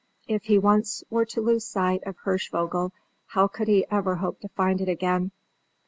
If he once were to lose sight of Hirschvogel how could he ever hope to find it again?